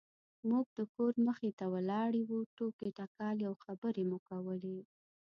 موږ د کور مخې ته ولاړې وو ټوکې ټکالې او خبرې مو کولې.